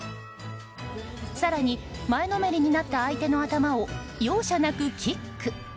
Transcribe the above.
更に、前のめりになった相手の頭を容赦なくキック！